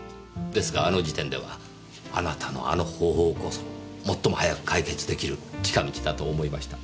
ですがあの時点ではあなたのあの方法こそ最も早く解決出来る近道だと思いました。